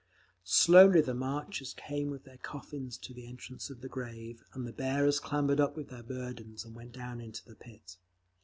Slowly the marchers came with their coffins to the entrance of the grave, and the bearers clambered up with their burdens and went down into the pit.